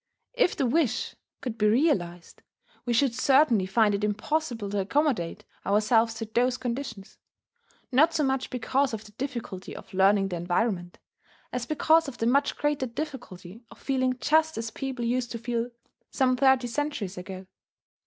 If the wish could be realized, we should certainly find it impossible to accommodate ourselves to those conditions, not so much because of the difficulty of learning the environment, as because of the much greater difficulty of feeling just as people used to feel some thirty centuries ago.